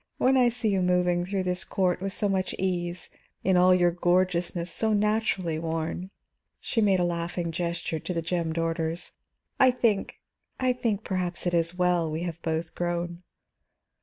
When I see you moving through this court with so much ease, in all your gorgeousness so naturally worn," she made a laughing gesture to the gemmed orders "I think I think perhaps it is well we have both grown."